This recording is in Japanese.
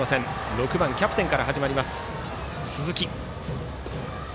６番キャプテンから始まります鈴木。